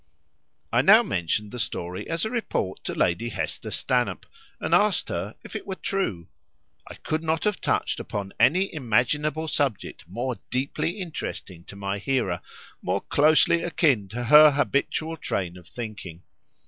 I now mentioned the story as a report to Lady Hester Stanhope, and asked her if it were true. I could not have touched upon any imaginable subject more deeply interesting to my hearer, more closely akin to her habitual train of thinking.